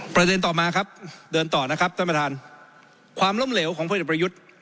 ประเด็นต่อมาครับเดินต่อนะครับท่านประธานความล้มเหลวของพลเอกประยุทธ์